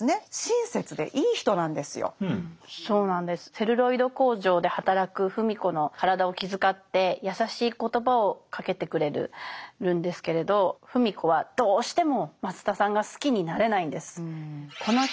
セルロイド工場で働く芙美子の体を気遣って優しい言葉をかけてくれるんですけれど芙美子はどうしても松田さんが好きになれないんです。